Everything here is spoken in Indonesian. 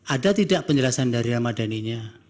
ada tidak penjelasan dari ramadhaninya